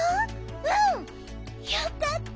うん！よかった！